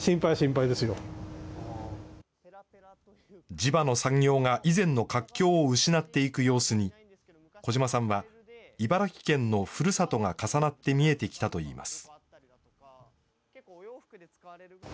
地場の産業が以前の活況を失っていく様子に、児嶋さんは、茨城県のふるさとが重なって見えてきたといいます。